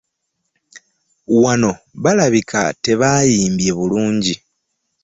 Wano balabika tebaayimbye bulungi.